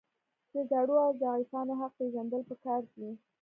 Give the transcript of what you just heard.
د زړو او ضعیفانو حق پیژندل پکار دي.